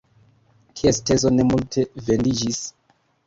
Kies tezo ne multe vendiĝis?